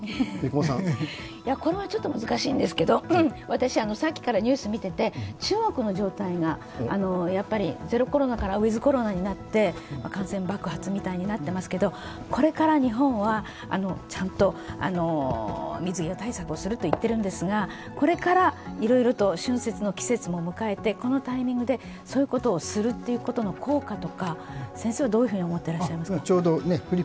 これはちょっと難しいんですけど、私、さっきからニュースを見ていて中国の状態がやっぱりゼロコロナからウィズ・コロナになって感染爆発みたいになっていますけど日本はちゃんと水際対策をすると言っているんですが、これからいろいろと春節の季節も迎えてそういうことをするということの効果とか先生はどういうふうに思っていらっしゃいますか？